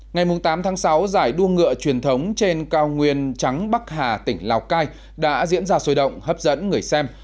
ngày tám tháng sáu giải đua ngựa truyền thống trên cao nguyên trắng bắc hà tỉnh lào cai đã diễn ra sôi động hấp dẫn người xem